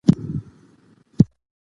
ماشومان تر ښوونځي داخلېدو څارل کېږي.